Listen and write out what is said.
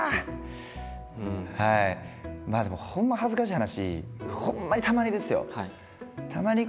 まあでもほんま恥ずかしい話ほんまにたまにですよ